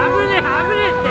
危ねえって！